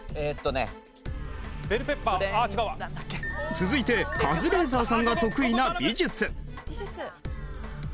続いてカズレーザーさんが得意な美術。